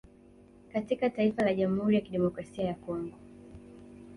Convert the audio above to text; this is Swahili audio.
Katika taifa la jamhuri ya kidemokrasia ya congo